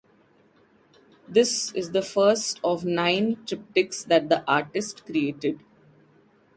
This was the first of nine triptychs that the artist created.